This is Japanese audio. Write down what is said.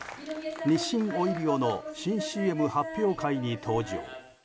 日清オイリオの新ＣＭ発表会に登場。